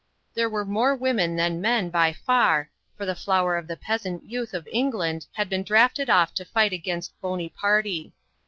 There were more women than men, by far, for the flower of the peasant youth of England had been drafted off to fight against "Bonyparty."